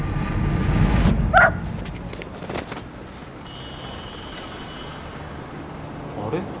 あれ？